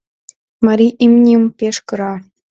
Марий имньым пеш кыра...